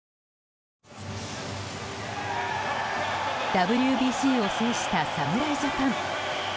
ＷＢＣを制した侍ジャパン。